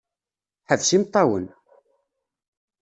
Ḥbes imeṭṭawen!